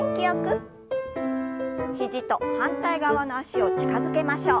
肘と反対側の脚を近づけましょう。